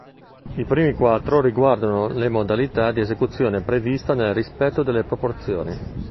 I primi quattro riguardano le modalità di esecuzione prevista nel rispetto delle proporzioni.